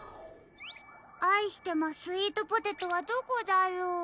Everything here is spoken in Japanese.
「あいしてまスイートポテト」はどこだろう？